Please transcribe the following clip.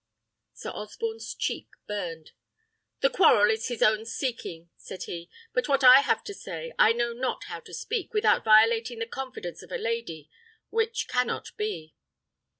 Sir Osborne's cheek burned. "The quarrel is of his own seeking," said he, "and what I have to say, I know not how to speak, without violating the confidence of a lady, which cannot be."